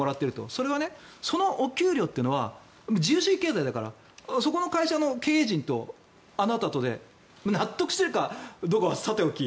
それはそのお給料というのは自由主義経済だからそこの会社の経営陣とあなたとで納得しているかどうかはさておき